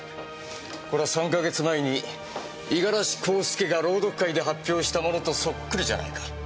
これは３か月前に五十嵐孝介が朗読会で発表したものとそっくりじゃないか！